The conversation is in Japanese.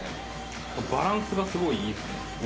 バランスがすごいいいですね。